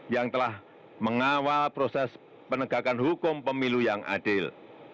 yang telah mengawal proses penegakan hukum pemilu yang adil